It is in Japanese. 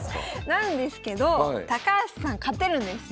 なんですけど高橋さん勝てるんです。